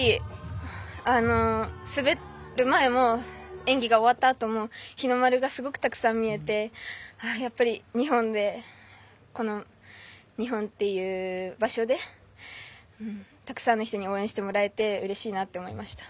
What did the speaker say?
滑る前も演技が終わったあとも日の丸がすごくたくさん見えてやっぱりこの日本っていう場所でたくさんの人に応援してもらえてうれしいなって思いました。